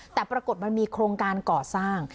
แต่ปรากฏมันมีโครงการก่อสร้าง